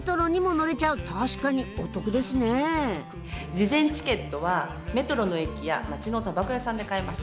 事前チケットはメトロの駅や街のタバコ屋さんで買えます。